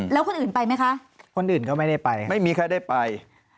แล้วคนอื่นไปไหมคะคนอื่นก็ไม่ได้ไปไม่มีใครได้ไป